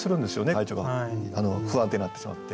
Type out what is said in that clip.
体調が不安定になってしまって。